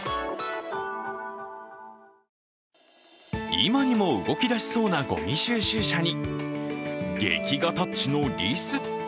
今にも動きだしそうなごみ収集車に劇画タッチのリス。